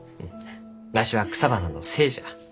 わしは草花の精じゃ。